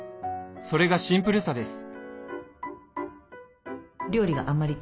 それがシンプルさです。